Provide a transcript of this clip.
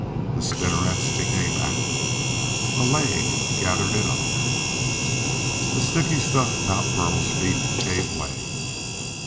The spinnerets became active. A leg gathered it up The sticky stuff about Burl's feet gave way.